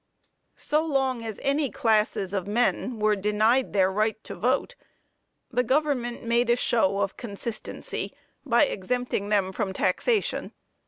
So long as any classes of men were denied their right to vote, the government made a show of consistency, by exempting them from taxation.